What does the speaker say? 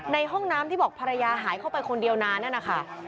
ในห้องน้ำที่บอกภรรยาหายเข้าไปคนเดียวนานนั่นนะคะ